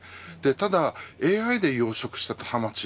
ただＡＩで養殖したハマチ